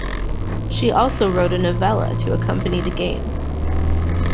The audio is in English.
She also wrote a novella to accompany the game.